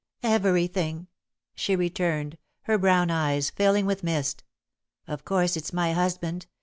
"Everything," she returned, her brown eyes filling with mist. "Of course it's my husband.